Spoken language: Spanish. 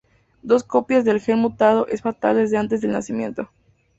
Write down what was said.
Dos copias del gen mutado es fatal desde antes del nacimiento.